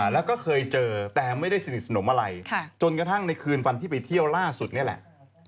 แล้วก็เคยเจอแต่ไม่ได้สนิทสนมอะไรจนกระทั่งในคืนวันที่ไปเที่ยวล่าสุดนี่แหละ